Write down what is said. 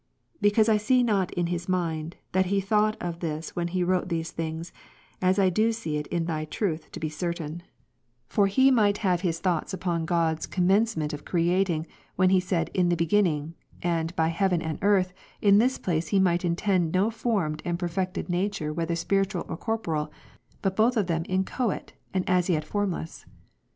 Because I see not in his mind, that he thought of this when he wrote these things, as I do see it in Thy truth to be certain. 268 No truth the property of individuals, but error only* For he might have his thoughts upon God's commencement of creating, when he said In the beginning; and by heaven and earth, in this place he might intend no formed and perfected nature whether spiritual or corporeal, but both of them in choate and as yet formless.